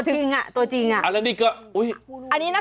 เอาขวาอันนี้